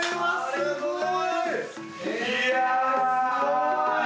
すごい。